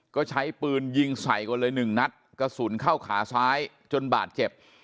ก็ใช้ปืนยิงใส่ก่อนเลยหนึ่งนัดกระสุนเข้าขาซ้ายจนบาดเจ็บ